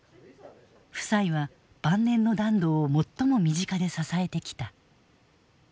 夫妻は晩年の團藤を最も身近で支えてきた。